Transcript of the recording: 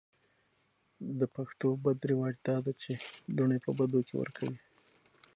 د پښتو بد رواج دا ده چې لوڼې په بدو کې ور کوي.